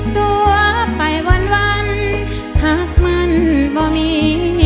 ตัวไปวันหักมันบ่มี